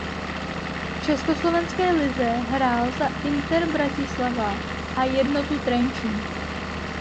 V československé lize hrál za Inter Bratislava a Jednotu Trenčín.